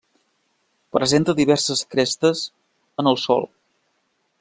Presenta diverses crestes en el sòl.